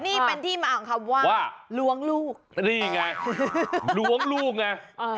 นี่เป็นที่มาของคำว่าล้วงลูกนี่ไงล้วงลูกไง